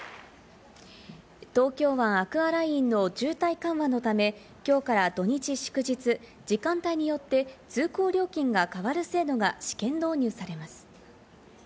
東京湾アクアラインの渋滞緩和のため、きょうから土日、祝日、時間帯によって通行料金が変わる制度が試験導入されます。